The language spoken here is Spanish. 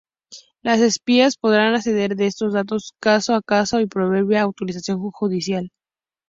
Los espías podrán acceder a estos datos caso a caso y previa autorización judicial.